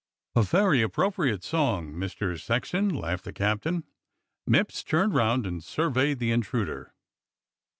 "A very appropriate song, Master Sexton," laughed the captain. Mipps turned round and surveyed the intruder.